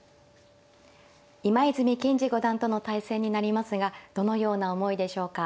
今泉健司五段との対戦になりますがどのような思いでしょうか。